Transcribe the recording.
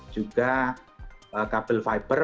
juga kabel fiber